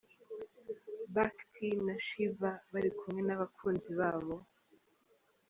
Bac-t na Shiva bari kumwe n’abakunzi babo.